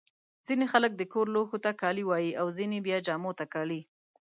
ځيني خلک د کور لوښو ته کالي وايي. او ځيني بیا جامو ته کالي.